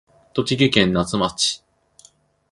栃木県那須町